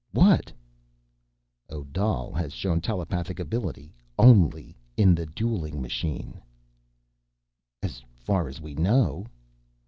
_" "What?" "Odal has shown telepathic ability only in the dueling machine." "As far as we know."